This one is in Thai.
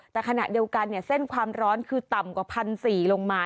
แต่ขณะเดียวกันเส้นความร้อนคือต่ำกว่า๑๔๐๐ลงมา